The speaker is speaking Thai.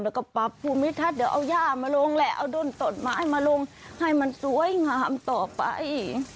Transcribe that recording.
แล้วก็ปรับภูมิทัศน์เดี๋ยวเอาย่ามาลงแหละเอาด้นตนไม้มาลงให้มันสวยงามต่อไป